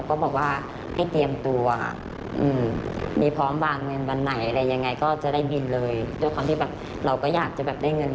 ก็บอกว่าถ้าไปก่อนสงกรรณ์ได้ก็ดี